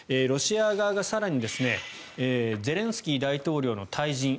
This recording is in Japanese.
ロシア側が更にゼレンスキー大統領の退陣